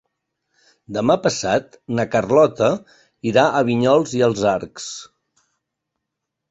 Demà passat na Carlota irà a Vinyols i els Arcs.